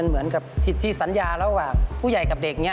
เหมือนกับสิทธิษฎร์ที่สัญญาระหว่างผู้ใหญ่กับเด็กนี้